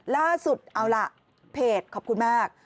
ล่าสุดเอาล่ะเพจขอบคุณมาก